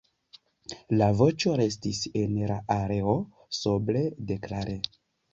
La voĉo restis en la aero sobre, deklare.